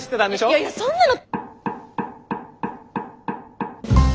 いやいやそんなの。